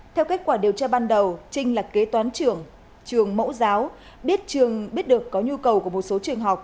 theo kết quả điều tra ban đầu trinh là kế toán trường trường mẫu giáo biết được có nhu cầu của một số trường học